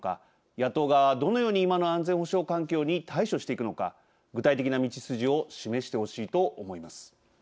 野党側はどのように今の安全保障環境に対処していくのか具体的な道筋を示してほしいと思います。